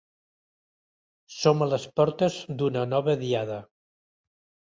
Som a les portes d’una nova Diada.